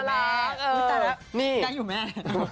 ได้อยู่แม่